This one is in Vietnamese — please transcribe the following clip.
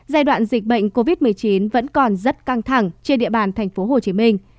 giai đoạn dịch bệnh covid một mươi chín vẫn còn rất căng thẳng trên địa bàn tp hcm